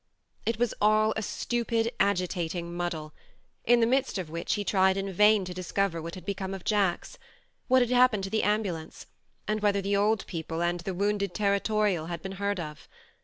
It was all a stupid agitating muddle, in the midst of which he tried in vain 132 THE MARNE 133 to discover what had become of Jacks, what had happened to the ambulance, and whether the old people and the wounded territorial had been heard of.